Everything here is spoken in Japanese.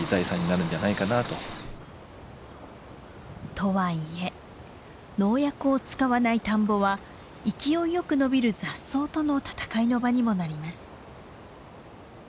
とはいえ農薬を使わない田んぼは勢いよく伸びる雑草との戦いの場にもなります。